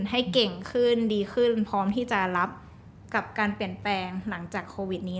ให้เก่งขึ้นดีขึ้นพร้อมที่จะรับกับการเปลี่ยนแปลงหลังจากโควิดนี้